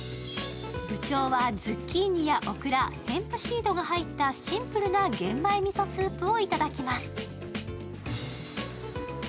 部長はズッキーニやオクラ、ヘンプシードが入ったシンプルな玄米みそスープを頂きます。